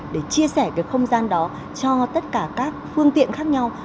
để chia sẻ cái không gian đó cho tất cả các phương tiện khác nhau